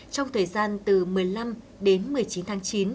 trong thời gian từ một mươi năm đến một mươi chín tháng chín